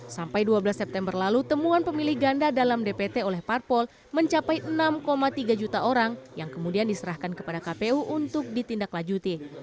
sampai dua belas september lalu temuan pemilih ganda dalam dpt oleh parpol mencapai enam tiga juta orang yang kemudian diserahkan kepada kpu untuk ditindaklanjuti